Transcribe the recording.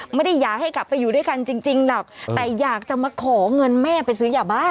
ไม่ได้อยากให้กลับไปอยู่ด้วยกันจริงหรอกแต่อยากจะมาขอเงินแม่ไปซื้อยาบ้า